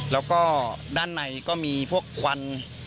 แล้วก็ด้านในก็มีพวกควัน